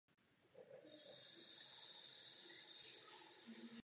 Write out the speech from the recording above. Nestačí provádět jednotlivá, izolovaná opatření v různých oblastech.